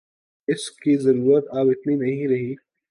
اس کی ضرورت اب اتنی نہیں رہی